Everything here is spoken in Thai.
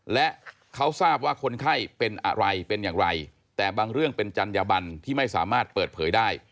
และเขาทราบว่าคนไข้เป็นอะไรเป็นอย่างไรแต่บางเรื่องเป็นจัญญบันที่ไม่สามารถเปิดเผยได้